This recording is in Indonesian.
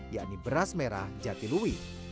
yakni beras merah jatiluih